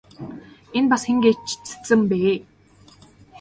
Энэ бас хэн гээч цэцэн бэ?